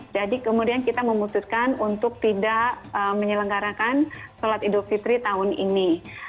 kemudian kita memutuskan untuk tidak menyelenggarakan sholat idul fitri tahun ini